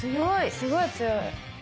すごい強い。